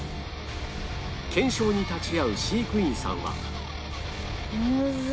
検証に立ち会う飼育員さんは